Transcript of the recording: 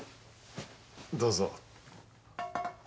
どうぞ。